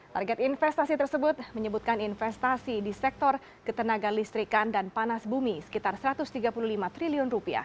target investasi tersebut menyebutkan investasi di sektor ketenaga listrikan dan panas bumi sekitar rp satu ratus tiga puluh lima triliun